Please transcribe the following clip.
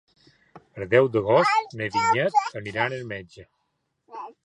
El deu d'agost na Vinyet irà al metge.